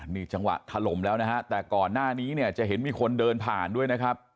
นี่จังหวะถล่มแล้วนะฮะแต่ก่อนหน้านี้เนี่ยจะเห็นมีคนเดินผ่านด้วยนะครับ